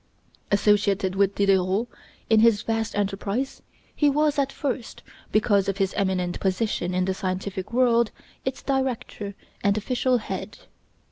Associated with Diderot in this vast enterprise, he was at first, because of his eminent position in the scientific world, its director and official head.